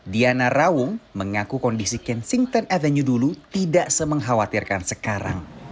diana rawung mengaku kondisi kensington avenue dulu tidak se mengkhawatirkan sekarang